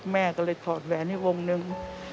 แม่ก็เลยถอดแหวนให้วงหนึ่ง